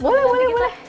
boleh boleh boleh